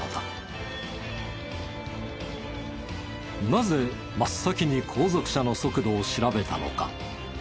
なぜ真っ先に後続車の速度を調べたのか？